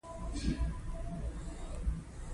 نصیراحمد احمدي یو ناول ولیک.